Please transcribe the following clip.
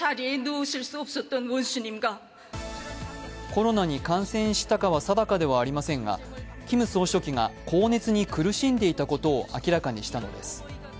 コロナに感染したかは定かではありませんが、キム総書記が高熱に苦しんでいたことを明らかにしたのです。